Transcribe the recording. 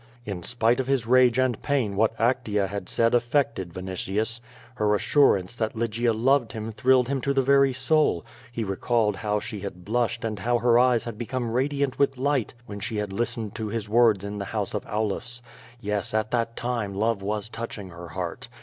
In spite of his rage and pain what Actea had said affected Vinitius. Her assurance that Lygia loved him thrilled him to the very soul. He recalled how she had blushed and how her eyes had become radiant with light when she had listened to his words in the house of Aulus. Yes, at that time love was touching her heart.